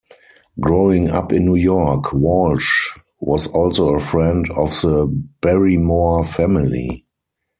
Growing up in New York, Walsh was also a friend of the Barrymore family.